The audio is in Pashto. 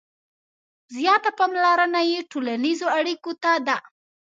• زیاته پاملرنه یې ټولنیزو اړیکو ته ده.